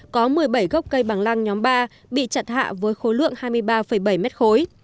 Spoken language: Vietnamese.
có một mươi bảy gốc cây bằng lăng nhóm ba bị chặt hạ với khối lượng hai mươi ba bảy mét khối